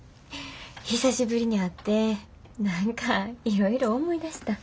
久しぶりに会って何かいろいろ思い出した。